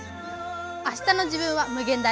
あしたの自分は無限大！